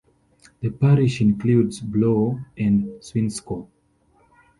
The parish includes Blore and Swinscoe.